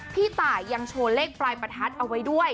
พี่ตายังโชว์เลขปลายประทัดเอาไว้ด้วย